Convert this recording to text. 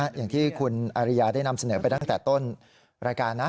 อย่างที่คุณอริยาได้นำเสนอไปตั้งแต่ต้นรายการนะ